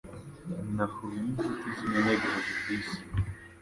Nahuye ninshuti zimwe ntegereje bisi.